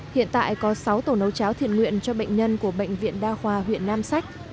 hiện tại có sáu tổ nấu cháo thiện nguyện cho bệnh nhân của bệnh viện đa khoa huyện nam sách